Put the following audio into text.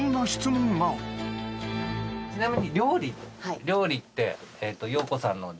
ちなみに。